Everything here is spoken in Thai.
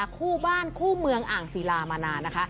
คู่บ้านคู่เมืองอ่างศิลามานานนะคะ